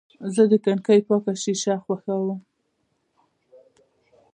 زه د کړکۍ پاکه شیشه خوښوم.